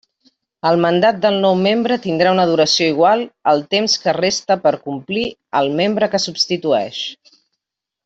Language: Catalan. El mandat del nou membre tindrà una duració igual al temps que reste per complir al membre que substitueix.